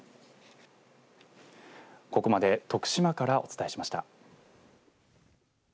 ここまで徳島からお伝えしました。